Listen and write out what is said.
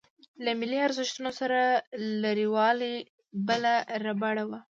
له ملي ارزښتونو سره لريوالۍ بله ربړه وه.